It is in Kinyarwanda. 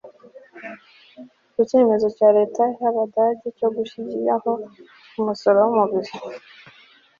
ku kemezo cya Leta y Abadage cyo gushyiraho umusoro w umubiri